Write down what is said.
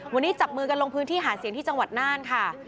วันนี้จับมือกันลงพื้นที่หาเสียงที่จังหวัดน่านค่ะ